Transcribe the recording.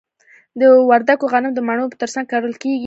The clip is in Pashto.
د وردګو غنم د مڼو ترڅنګ کرل کیږي.